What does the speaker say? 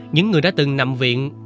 những người đã từng nằm viện